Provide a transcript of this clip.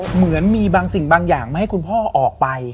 เหมือนมีบางสิ่งบางอย่างมาให้คุณพ่อออกไป